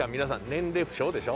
年齢不詳でしょ？